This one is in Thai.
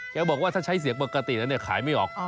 แกบอกว่าถ้าใช้เสียงปกตินะขายไม่ออก